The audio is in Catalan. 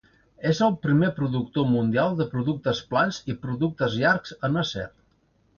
És el primer productor mundial de productes plans i productes llargs en acer.